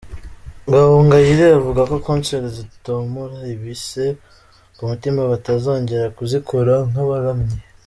Gahongayire avuga ko 'concert zitomora ibisebe ku mutima batazongera kuzikora nk'abaramyi'.